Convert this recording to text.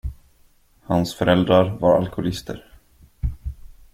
Hans föräldrar var alkoholister.